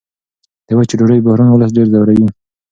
د وچې ډوډۍ بحران ولس ډېر ځوروي.